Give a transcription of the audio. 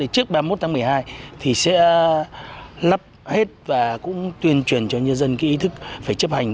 trước ba mươi một tháng một mươi hai thì sẽ lắp hết và cũng tuyên truyền cho nhân dân cái ý thức phải chấp hành